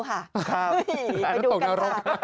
ครับแต่มาตกนรก